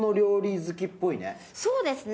そうですね。